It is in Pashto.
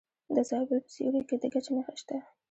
د زابل په سیوري کې د ګچ نښې شته.